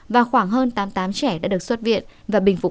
và khoảng hơn tám mươi tám trẻ đã được xuất viện và bình phục